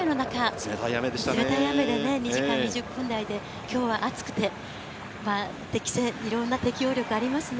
冷たい雨でね、２時間２０分台で、きょうは暑くて、適性、いろんな適応力ありますね。